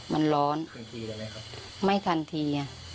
มันร้อนไม่ทันที